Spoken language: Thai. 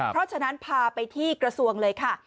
เพราะฉะนั้นพาไปที่กระทรวงเลยค่ะ